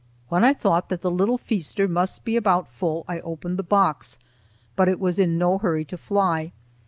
When I thought that the little feaster must be about full, I opened the box, but it was in no hurry to fly.